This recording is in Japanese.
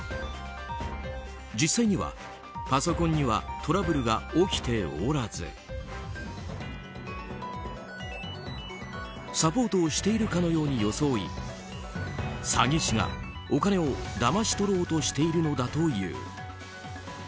実際には、パソコンにはトラブルが起きておらずサポートをしているかのように装い詐欺師がお金をだまし取ろうとしているのだという。